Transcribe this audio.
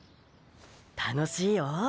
楽しいよ？